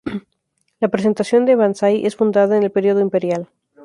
La presentación de "Banzai" es fundada en el período imperial.